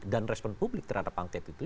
dan respon publik terhadap angket itu